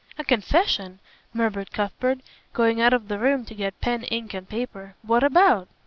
"A confession!" murmured Cuthbert, going out of the room to get pen, ink and paper. "What about?"